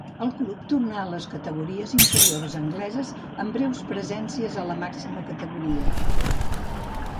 El club tornà a les categories inferiors angleses amb breus presències a la màxima categoria.